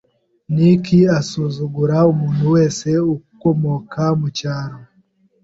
Nick asuzugura umuntu wese ukomoka mucyaro.